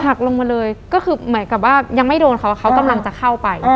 หักลงมาเลยก็คือเหมือนกับว่ายังไม่โดนเขาเขากำลังจะเข้าไป